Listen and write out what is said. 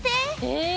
え！